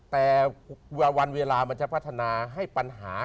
แต่วันเวลามันจะพัฒนาให้ปัญหา